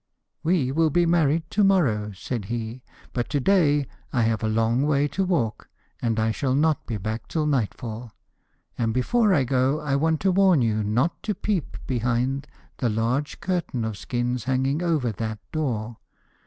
'We will be married to morrow,' said he, 'but to day I have a long way to walk, and I shall not be back till nightfall. And before I go, I want to warn you not to peep behind the large curtain of skins hanging over that door.